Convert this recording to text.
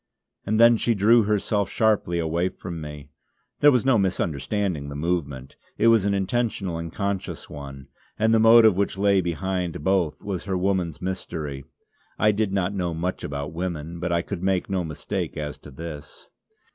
And then she drew herself sharply away from me. There was no misunderstanding the movement; it was an intentional and conscious one, and the motive which lay behind both was her woman's mystery. I did not know much about women, but I could make no mistake as to this.